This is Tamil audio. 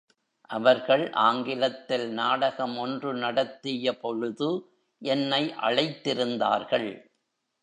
அவர்கள் ஆங்கிலத்தில் நாடகம் ஒன்று நடத்திய பொழுது என்னை அழைத்திருந்தார்கள்.